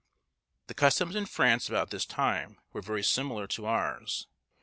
The customs in France about this time were very similar to ours.